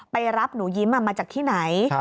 ไปรับหนูยิ้มมาจากที่ไหน